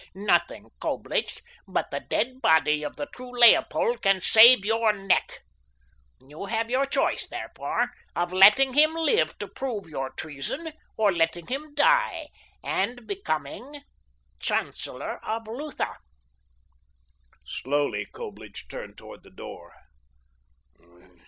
Nothing, Coblich, but the dead body of the true Leopold can save your neck. You have your choice, therefore, of letting him live to prove your treason, or letting him die and becoming chancellor of Lutha." Slowly Coblich turned toward the door.